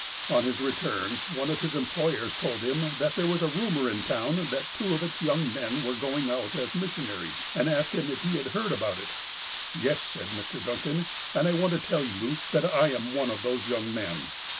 On his return, one of his employers told him that there was a rumour in town that two of its young men were going out as missionaries, and asked him if he had heard about it. " Yes," said Mr. Duncan, "and I want to tell you, that I am one of those young men."